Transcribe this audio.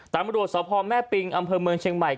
ตำรวจสพแม่ปิงอำเภอเมืองเชียงใหม่